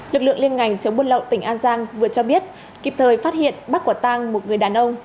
lực lượng liên ngành chống buôn lậu tỉnh an giang vừa cho biết kịp thời phát hiện bắt quả tang một người đàn ông